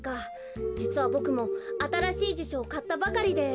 じつはボクもあたらしいじしょをかったばかりで。